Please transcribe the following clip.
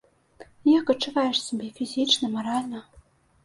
Як адчуваеш сябе фізічна, маральна?